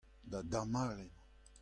da damall emañ.